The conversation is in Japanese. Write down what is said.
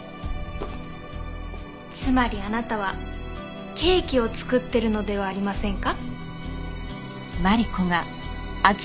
つまりあなたはケーキを作ってるのではありませんか？